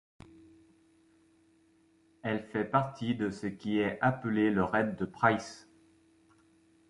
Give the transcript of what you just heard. Elle fait partie de ce qui est appelé le Raid de Price.